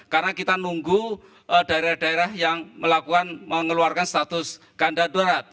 karena kita nunggu daerah daerah yang melakukan mengeluarkan status keadaan daurat